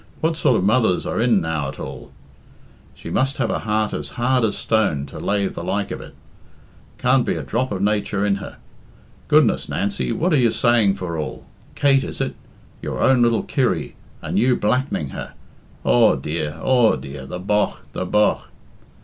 What sort of mothers are in now at all? She must have a heart as hard as a stone to lave the like of it. Can't be a drop of nature in her.... Goodness, Nancy, what are saying for all? Kate is it? Your own little Kirry, and you blackening her! Aw, dear! aw, dear! The bogh! the bogh!"